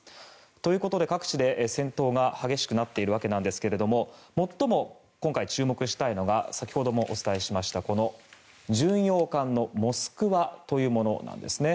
ということで各地で戦闘が激しくなっているわけなんですけれども最も今回注目したいのが先ほどもお伝えしました巡洋艦の「モスクワ」というものなんですね。